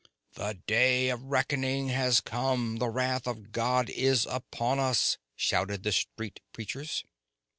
"The day of reckoning has come! The wrath of God is upon us!" shouted the street preachers.